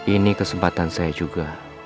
ini kesempatan saya juga